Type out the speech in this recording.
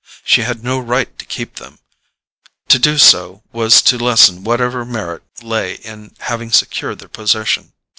She had no right to keep them—to do so was to lessen whatever merit lay in having secured their possession.